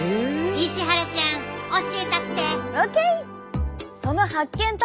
石原ちゃん教えたって！ＯＫ！